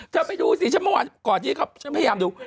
ไปดูสิฉันเมื่อวานก่อนที่ฉันพยายามดู